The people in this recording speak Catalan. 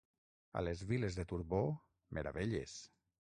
A les Viles de Turbó, meravelles.